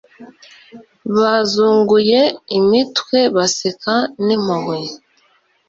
bazunguye imitwe, baseka n'impuhwe! ..